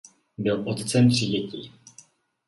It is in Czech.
Byl otcem tří dětí.